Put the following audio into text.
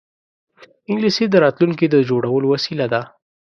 انګلیسي د راتلونکې د جوړولو وسیله ده